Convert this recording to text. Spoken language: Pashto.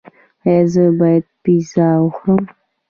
ایا زه باید پیزا وخورم؟